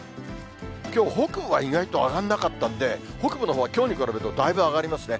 きょう、北部は意外と上がんなかったんで、北部のほうはきょうに比べると、だいぶ上がりますね。